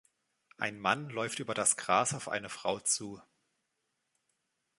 Ein Mann läuft über das Gras auf eine Frau zu.